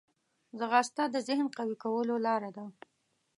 ځغاسته د ذهن قوي کولو لاره ده